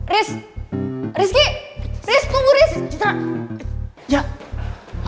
jadi ini gak penting juga buat gue